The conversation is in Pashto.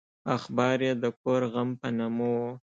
اخبار یې د کور غم په نامه و.